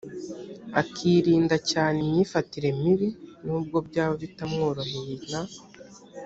akirinda cyane imyifatire mibi nubwo byaba bitamworoheye na